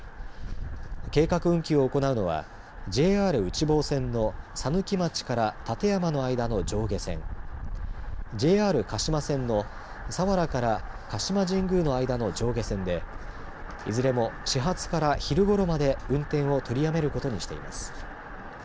計画運休を行うのはＪＲ内房線の佐貫町から館山の間の上下線ＪＲ鹿島線の佐原から鹿島神宮の間の上下線でいずれも始発から昼ごろまで運転を取りやめることにしています。